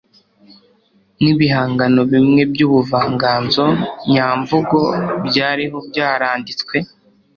n'ibihangano bimwe by'ubuvanganzo nyamvugo byariho byaranditswe